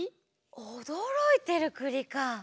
おどろいてるくりか。